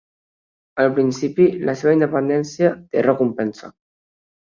Al principi, la seva independència té recompensa.